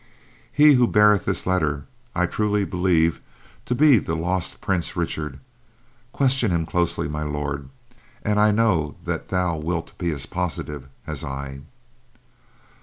He who beareth this letter, I truly believe to be the lost Prince Richard. Question him closely, My Lord, and I know that thou wilt be as positive as I.